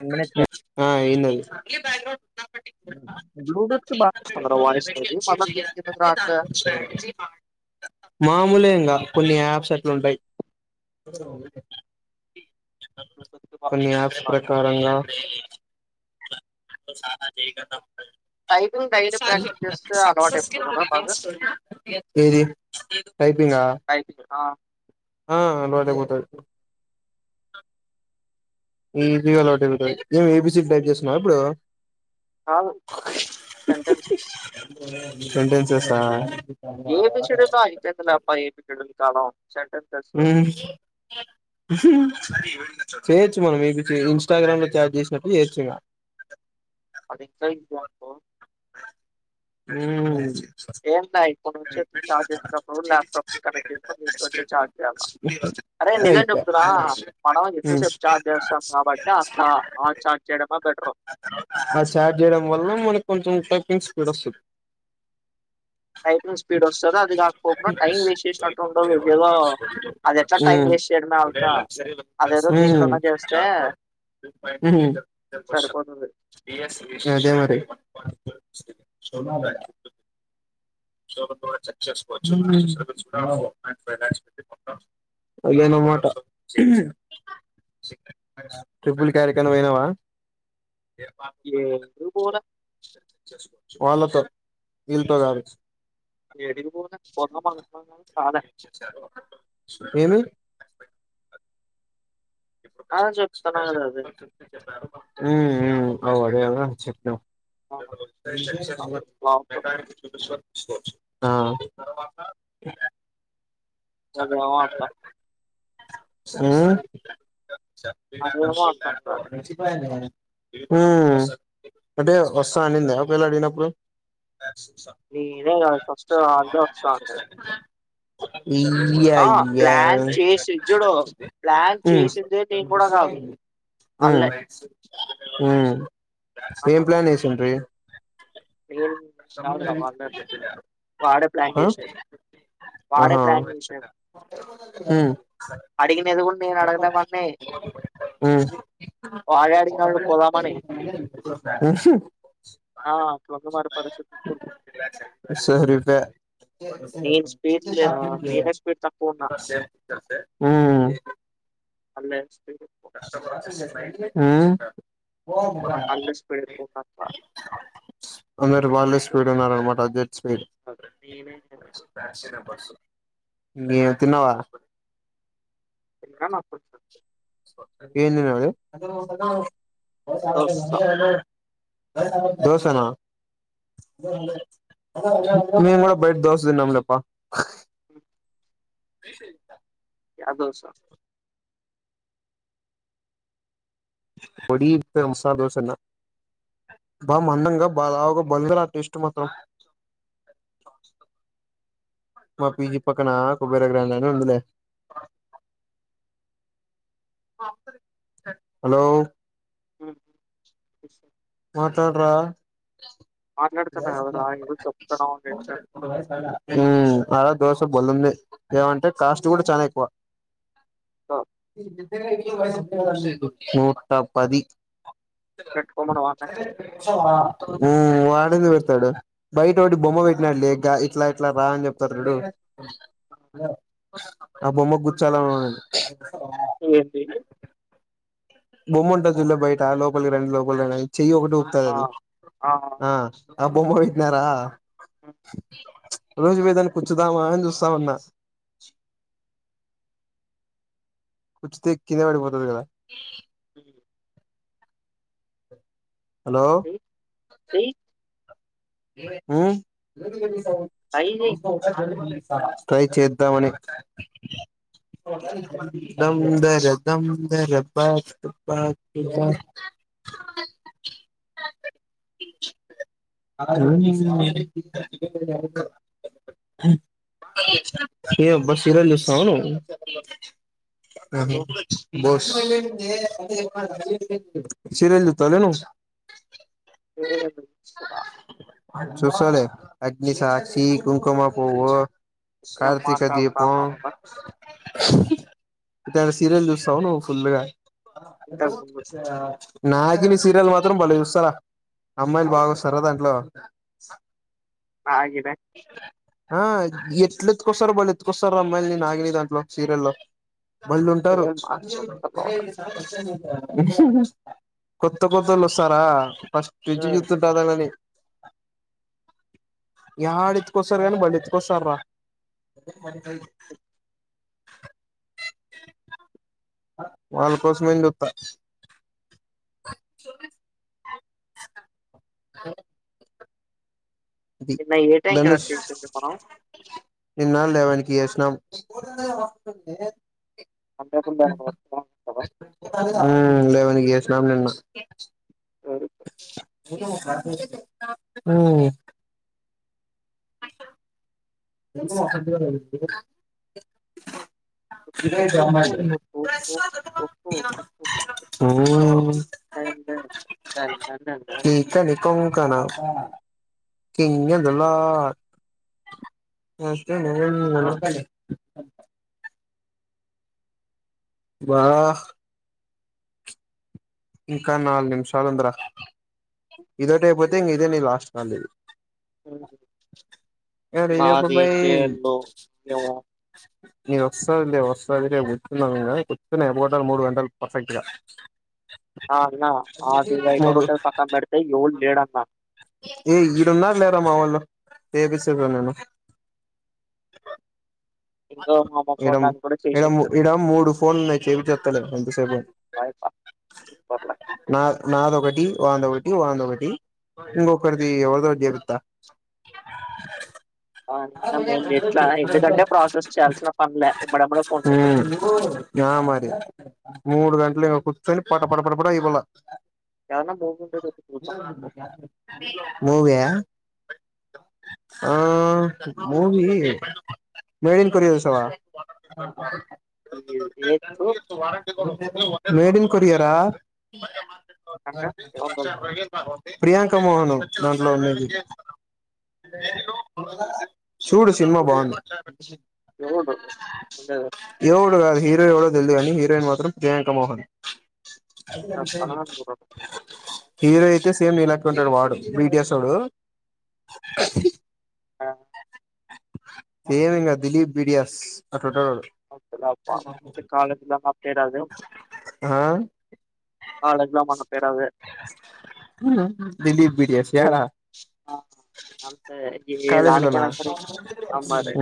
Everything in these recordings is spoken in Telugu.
టెన్ మినిట్స్ ఆ ఇనది బ్యాక్గ్రౌండ్ బ్లూటూత్ కి బాగా వస్తుంది రా వాయిస్ అనేది మళ్ళీ దీనికి ఎందుకు రావట్లే [unintelligible] మామూలే ఇంగ కొన్ని అప్స్ అట్లా ఉంటాయి బ్లూటూత్ కి బాగా కొన్ని వస్తుంది, ఆప్స్ బాగా ప్రక వస్తుంది. [unintelligible] స్నానం చేయకన్న ముందు టైపింగ్ డైలీ ప్రాక్టీస్ చేస్తే అలవాటు అయిపోతుంది కదా బాగా ఏది టైపింగ్ ఆ టైపింగ్ ఆ, ఈ రివల్ హోటల్ మేము ఏబీసీకి టైప్ చేస్తున్నాం ఇప్పుడు హ సెంటన్స్ సేస్ సెంటెన్సెస్ ఆ ఏది చెడుల యి చేతులపై ఏడులు కాలం సెంటెన్సెస్ ఉ ఉమ్ చేయచ్చు మమ్మి ఇన్స్టాగ్రామ్ లో చాట్ చేసినప్పుడు చేయొచ్చు ఇక అది క్రంచ్ అప్పో అ ఉ ఏం లే ఇప్పుడు నుంచి చార్జ్ చేసినప్పుడు ల్యాప్టాప్ కనెక్ట్ చేసుకొని దీంట్లో నుంచి చార్జ్ చేయాలా అరే అయి నిజం చెప్తున్నా మనం ఎక్కువసేపు చార్జ్ చేస్తాం కాబట్టి ఆ చా- ఆ చార్జ్ చేయడమే బెటర్ ఆ స్టార్ట్ చేయడం వల్ల మన క్ కింగ్ గే పీస్ ఎడక్కు టైపింగ్ స్పీడ్ వస్తదో అది కాకపోకుండా టైం వేస్ట్ చేసినట్టు ఉండదు ఏదో అది ఎట్లా ఉ ఉ టైం వేస్ట్ చేయడమే ఊ అంతా అదేదో వేదోమరి దీంట్లోనే చేస్తే సరిపోతది సన్నాద కోవ లేనమాట ట్రిపుల్ కార్యక్రమం అయినావా ఏడికి పోలే వాళ్ళతో ఇల్ తో గాద్ అస్ ఏడికి పోవలన్నా మ కాదా అస్ అదే చెప్తున్నా కదా అది ఉ అవు అదే కదా చెప్తాం ఆ! అది ఫ్లాప్ స స స చ ఆ చాల అదేమో అ అంటాం యూనిఇన్టిలిజిబుల్ అదేమో అంటాం కాలే హ అంటే వస్తా అనిందా ఒకేళ అడిగినప్పుడు నేనే కాదు ఫస్ట్ వాళ్ళే వస్తా అన్నారు యునిఇన్టిలిజిబుల్ ఆ ప్లాన్ చేసి ఇట్చుడు ప్లాన్ ఉమ్ చేసిందే నేను కూడా కాదు ఆళ్ళే హ ఎం ప్లాన్ వేసిండ్రి మీరు తాగుదర వాటర్ వాళ్ళే ప్లాన్ ఆ చేషారు. వాడే ఆహా ప్లాన్ ఉమ్ అడిగినది గు నేను అడగలే వాడ్నీ ఉమ్ అడిగిన వాళ్ళు పోదామని ఆ అట్లుంది మరి పరిస్థితి ఇప్పుడు సరిగ్గా నేను స్పీడ్ నేనే స్పీడ్ తక్కువ ఉన్నా ఆ హండ్రెడ్స్ ఉమ్ పోదాంరా అల్లే స్పీడ్ ఎక్కువ ఉన్నా అట్లా అందురు వేల్స్ సుడుమనరా మా పదా తి నేనే ఫ్యాన్స్ నంబర్సు ఇంకేం తిన్నావా తిన్నా నాకు కొంచెం ఏంది మే ఆది బస దోస [unintelligible] దోసనా మేము కూడా బయట దోస తిన్నంలేప్పా ఆ తిశేయ్ చెప్తా క్యా దోసా పొడి మసాలా దోసా తిన్న బా మందంగా బా లావుగా బాలేఉందిరా టేస్ట్ మాత్రం మా పిజీ పక్కనా కొబ్బర గ్రాండ్నే అని ఉందిలే హలో ఉ మాట్లాడరా మాట్లాడుతున్నా కదరా ఏదో చెప్తున్నావు అని వింటున్నా ఉమ్ ఆడా దోసా బలైంది ఏమంటే కాస్ట్ కూడా చానా ఎక్కువ సో తెలీదు నూటా పది పెట్టుకోమనవా చదివేకి నువ వస్తావా ఊ వాడ ఎందుకు పెడతాడు బయట ఒకటి బొమ్మ పెట్టినాడు లే గా ఇట్లా ఇట్లా రా అని చెప్తారు చూడు ఆ బొమ్మాగ్ గుచలాన్ ఏంటిది బొమ్ముంటది చూడలే బయటా లోకల్కి రానీ లోకల్కి రండని చెయ్యి ఒకటి ఊపుతాది ఆ అది ఆ ఆ బొమ్మా పెటినారా ఉ రోజుపోయి దాని కూచ్చుదామా అని చూస్తునా కుచ్చతే కిందా పడి పోతది కదా ఉమ్ హలో చెయ్యి చెయ్యి ఉమ్ ఓ వస్తావా ట్రై చెయ్యి ప్రదీప్ మళ్ళీ ట్రై చేద్దాం అని దమ్ ధరే దమ్ ధరే ప ప ఏం అబ్బా సీరియల్ చూస్తున్నావా నువ్వు ఆనీ బో సీరియల్ సుత్తానే ను లేదు నువ్ స్తావా చూసాలే అగ్ని సాక్షి కుంకుమ పువ్వు ఏం కార్తక దీపం మాట్లాడుతున్నావు ఇట్టారీ సిరియల్ చూస్తావ నువ్వు ఫుల్ గా నా ఆబో ఇంతకు ముందు చా నాగిని సీరియల్ మాత్రం బలే చూస్తారా, అమ్మాయిలు బాగా వస్తారా దాంట్లో. నాగినీ నా ఆ ఎట్లు ఎత్తుకొస్తారో బళ్ ఎత్తుకొస్తారా అమ్మాయిలునీ నాగినీ దాంట్లో సీరియల్లో బళ్ళుంటారు ఏం మాట్లాడుతున్నావ్ రా కొత్త కొత్తళ్ళు వస్తారా ఫస్ట్ నుంచి జుత్తుంట దండ్లని యాడ ఎత్కసారో గాని బళ్ ఎత్కసార్ రా వాల్ కోసమేన్ జుత్త అ నిన్న ఏ టైం కదా ధనుష్ చేసింది మనం నిన్న లేవన్ కి చేసినాం [unintelligible] లేవన్ నికి చేసినాం నిన్న హ్మ్ ఎ హ్మ్ కీక నికు కానా కింగద్ లా నస్తే బా హ్ ఇంకా నాలు నిమిషాలుంద్ర ఇదొటి అయిపోతే ఇంగ ఇదే నీ లాస్ట్ కాల్ నాదేం చేయాలో ఏమో నీ వస్తదిలే వస్తాదిలే కూర్చుదాం ఇంగ కూర్చొని, అయిపోగొట్టాలి మూడు గంటలు పర్ఫెక్ట్గా ఆ ఆన్నా అది ఇంగ అయిపోగోట్ట పక్కం పెడ్ తే ఎవడు లేడ్ అన్న ఏ ఇడున్నారూ లేరా మా వొళ్ళు చేపిస్తా ఇప్పుడు నేను ఇంకో మా అమ్మ ఇడ ఫోన్ ము దాన్ని కూడా ఇడ చేసింటది ఇడా మూడు ఫోన్లున్నా చేపి చెత్తలే ఎంతసేపు గానీ నా నాదొకటి టి వాంద ఒకటి వాంద ఒకటి ఇంగ ఒకక్కరిది ఎవదో జరుతా మ ఎట్లా ఎందుకంటే ప్రాసెస్ చేయాల్సిన పనిలే ఎమ్మడెమ్మడే ఫోన్లు హ్మ్మ్ అయిపోతాయి మరి మూడు గంటలు ఇంకా కూర్చొని పట పడ పడ పడ ఇయిపోల ఏదన్నా మూవీ ఉంటే చూడు చూద్దాం మూవీఆ ఆ మూవీ మేళన్ కో సవా ఎ ఈ టెన్ ఎయిత్ ఇయర్స్ వారంట రేడింగ్ కురియరా అంటే ఎవరు క్షంది ప్రియాంక మోహన్ దాంట్లో ఉన్నది చూడు సినిమా బాగుంది చూ అంటే [inaudible] ఎవడు కాదు హీరో ఎవడో తెలిదుగాని హీరోయిన్ మాత్రం జయాంక మోహన్ ఇ ప హీరో అయితే సేమ్ ననక్ ఉంటాడు వాడు బీటియాస్ోడు ఆ సేమి ఇంగా దిలీప్ బిడియాస్ కాాలజే హ కాలేజీలో మన పేరు అదే దిలీప్ బిడిసి ఈ, యారా ఆ అంతే ఏ కాలేజలోనా దానికైనా సరే ఆ మరి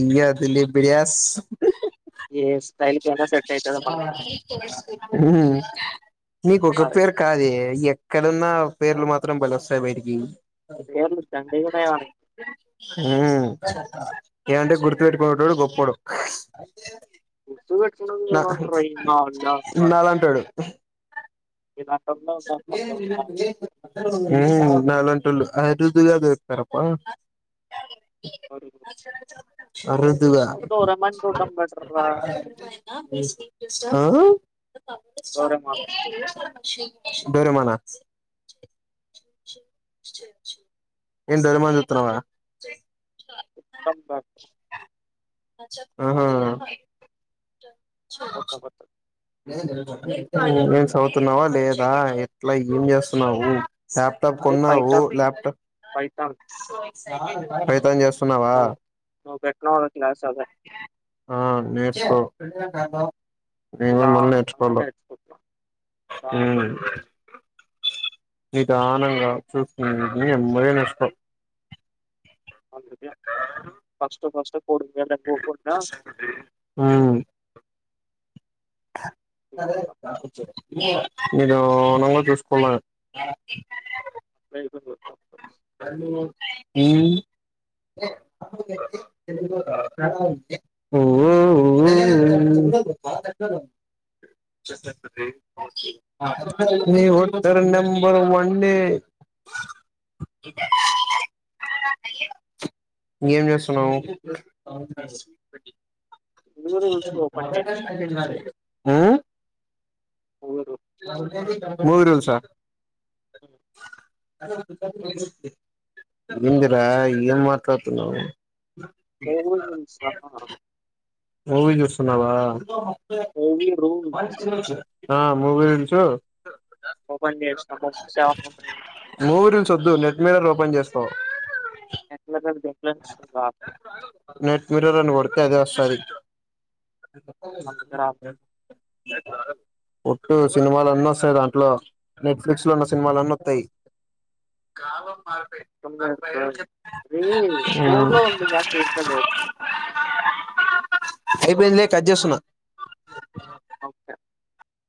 ఇ అదిలీ బిడి బస్ ఏ స్టైల్ కైనా సెట్ అయితది మనకి నీకు ఒక మరి పేరు కాద ఇక్కడ ఉన్న పేర్లు మాత్రం బలి వస్తాయి బయటికి ఎర్లు చం హ ఏమంటే గుర్తుపెట్టుకునేడు గొప్పోడు గుర్తు పెట్టుకునేది నా ఎవరు ఉంటారు ఈ మా వాళ్ళే ఉంటారు నాల అంటాడు ఇ హ్మ్మ్ న అరుదుగాదరుతారప్ప ఎవరు? అరుదుగా డోరేమాన్ చూడడం బెటర్ రా పప్పు చార్ డోరేమాన్ చి డొరిమానా ఇన్ డోరెమాన్ సుత్తన్నవ ఉత్తమ్ బ [unintelligible] ఆహా పత్తపోతు ఏం చదువుతున్నావా లేదా ఎట్లా ఏం చేస్తున్నావు ల్యాప్టాప్ అదే కొన్నా ఓ పైథాన్ ల్యాప్టాప్ పైథాన్. పాయితన్ చే న్నావా అవును. నువ్వు పెట్టినావు క్లాస్ అదే. ఆ నేర్చకో ఎ కా [unintelligible] మేము మళ్ళీ నిదానంగా నేర్చుకోవాల నేర్చుకుంటున్నా. హుమ్మ్ నిదానంగా నేర్చుకుంటున్నా. నీదానంగా చూసుినని ఎంబడే నష్టం అద ఫస్ స్త ఆ అదే అయిపోతాం. మీరునంగా చూసుకోాల అట్లా అయిపోయింది మొత్తం. ఓ ఉత్తర నంబర్ వన్ న ఏం చేస్తున్నావు మూవీ రూల్స్ ఓపెన్ మొదట చేసినా. సైన్ ఇన్ కర్రీ ఆ మూవీ రూల్. మూవీరూల్స్ ఆ అ ఎందిరా ఏం మాట్లాడుతున్నావ్ మూవీ రూల్సా? మూవీ చూస్తున్నావా మూవీ రూల్స్ ఆ మూవీ రూల్స్ ఓపెన్ చేసినా. మూవీస్ ఏమన్నా ఉన్నాయా? మూవీరుల్స్ వద్దు నెట్ మీరర్ ఓపెన్ చేస్తాా సో ఎల నెట్ మిరర్ అని కొడుతే అదే స్తది అందుకే రాదు. ఒట్టు సినిమాలు అన్న వస్తాయి దాంట్లో నెట్ఫ్లిక్స్ లో ఉన్న సినిమాలున్న వత్తయి [unintelligible] పోన్ లో ఉంది కానీ దీంట్లో లేదు అయిపోయిందిలే కట్ చేస్తున్నా ఓకే